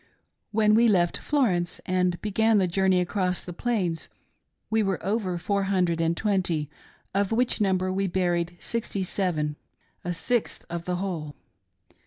When we left Florence and began the journey across the Plains we were over four hundred and twenty, of which number we buried sixty seven — a sixth of, the whole.